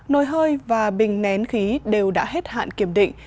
nồi hơi và bình nén khí đều đã hết hạn kiểm định